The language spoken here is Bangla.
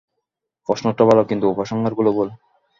প্রশ্নটা ভালো, কিন্তু উপসংহারগুলো ভুল।